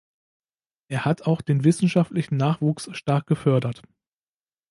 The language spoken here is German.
Er hat auch den wissenschaftlichen Nachwuchs stark gefördert.